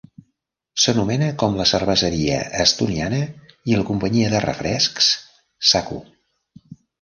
S'anomena com la cerveseria estoniana i la companyia de refrescs Saku.